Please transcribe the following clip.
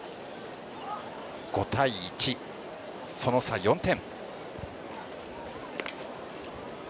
５対１、その差４点。